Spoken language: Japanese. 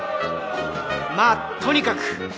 まぁとにかく。